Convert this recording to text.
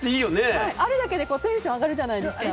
あるだけでテンション上がるじゃないですか。